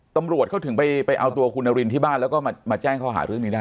ตำรวจเขาถึงไปเอาตัวคุณนารินที่บ้านแล้วก็มาแจ้งข้อหาเรื่องนี้ได้